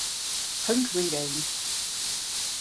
Homecoming Game